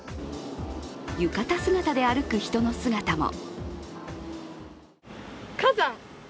浴衣姿で歩く人の姿も。